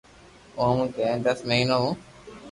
او مون ڪني دس مھينون مون